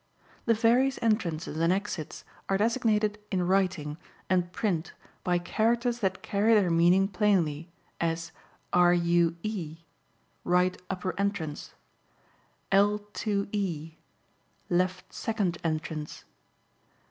The various entrances and exits are designated in writing and print by characters that carry their meaning plainly, as RUE (right upper entrance), L2E (left second entrance).